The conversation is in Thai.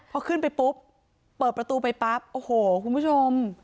พอขึ้นไปปุ๊บเปิดประตูไปปั๊บโอ้โหคุณผู้ชม